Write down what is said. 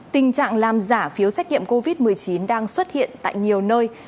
tình trạng làm giả phiếu xét nghiệm covid một mươi chín đang xuất hiện tại nhiều nơi